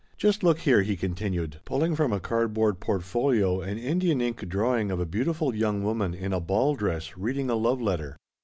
" Just look here," he continued, pulling from a cardboard portfolio an Indian ink drawing of a beautiful young woman in a ball dress, reading a love letter.